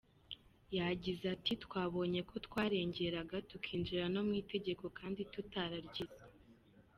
Yagize ati “Twabonye ko twarengeraga tukinjira no mu itegeko kandi tutararyize.